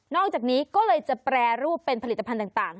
อกจากนี้ก็เลยจะแปรรูปเป็นผลิตภัณฑ์ต่าง